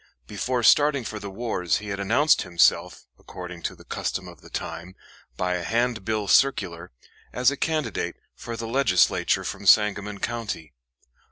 Before starting for the wars he had announced himself, according to the custom of the time, by a handbill circular, as a candidate for the Legislature from Sangamon County.